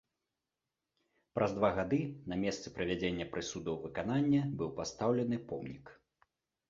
Праз два гады на месцы прывядзення прысуду ў выкананне быў пастаўлены помнік.